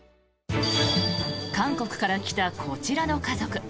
韓国から来たこちらの家族。